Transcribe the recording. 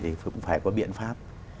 thì cũng phải có biện pháp